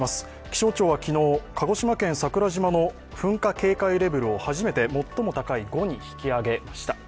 気象庁は昨日鹿児島県桜島の噴火警戒レベルを最も高い５に引き上げました。